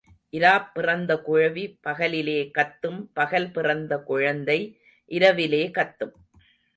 இராப் பிறந்த குழவி பகலிலே கத்தும் பகல் பிறந்த குழந்தை இராவிலே கத்தும்.